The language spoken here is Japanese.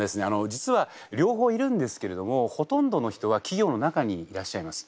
実は両方いるんですけれどもほとんどの人は企業の中にいらっしゃいます。